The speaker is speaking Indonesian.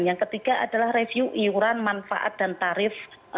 yang ketiga adalah review iuran manfaat dan tarif